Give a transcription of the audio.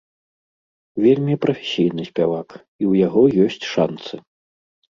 Вельмі прафесійны спявак, і ў яго ёсць шанцы.